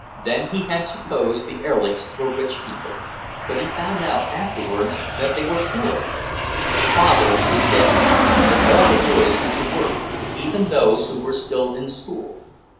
Then he had supposed the Erlichs were rich people, but he found out afterwards that they were poor. The father was dead, and all the boys had to work, even those who were still in school.